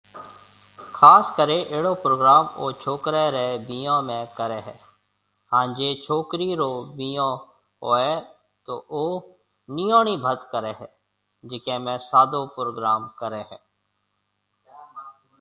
خاص ڪري اهڙو پروگرام او ڇوڪري ري بيھون۾ ڪري هي هان جي ڇوڪرِي رو بيھونهوئي تو او نيوڻي ڀت ڪري هي جڪي ۾ سادو پروگرام ڪري هي